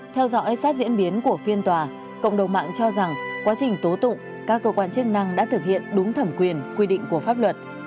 theo dõi sát diễn biến của phiên tòa cộng đồng mạng cho rằng quá trình tố tụng các cơ quan chức năng đã thực hiện đúng thẩm quyền quy định của pháp luật